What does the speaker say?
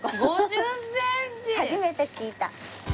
初めて聞いた。